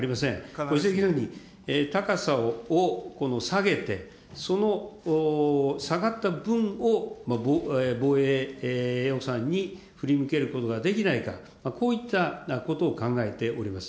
ご指摘のように、高さを下げて、その下がった分を防衛予算にふりむけることができないか、こういったことを考えております。